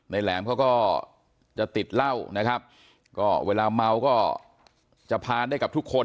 แหลมเขาก็จะติดเหล้านะครับก็เวลาเมาก็จะผ่านได้กับทุกคน